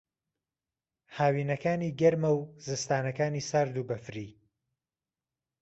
ھاوینەکانی گەرمە و زستانانەکانی سارد و بەفری